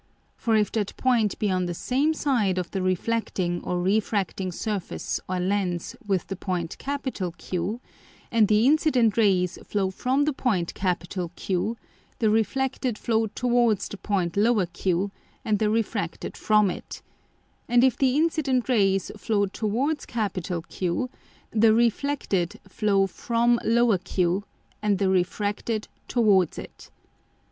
For if that Point be on the same side of the reflecting or refracting Surface or Lens with the Point Q, and the incident Rays flow from the Point Q, the reflected flow towards the Point q and the refracted from it; and if the incident Rays flow towards Q, the reflected flow from q, and the refracted towards it.